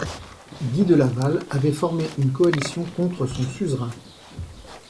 Guy de Laval avait formé une coalition contre son suzerain.